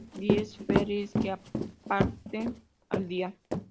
Hay diez ferries que parten al día.